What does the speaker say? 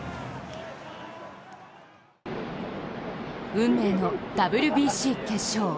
運命のＷＢＣ決勝。